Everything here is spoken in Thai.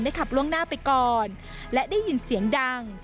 ขับล่วงหน้าไปก่อนและได้ยินเสียงดัง